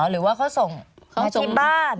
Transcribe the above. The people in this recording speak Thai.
หรือว่าเขาส่งมาที่บ้าน